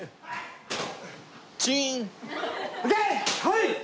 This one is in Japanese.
はい！